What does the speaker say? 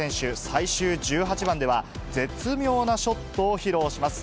最終１８番では、絶妙なショットを披露します。